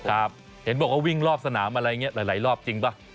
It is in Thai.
เห็นบอกว่าวิ่งรอบสนามอะไรอย่างนี้หลายรอบจริงป่ะ